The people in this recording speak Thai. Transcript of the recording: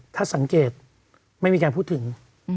ถ้าสังเกตไม่มีการพูดถึง